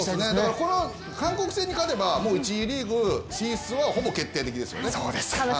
この韓国戦に勝てばリーグ進出はほぼ確定ですね。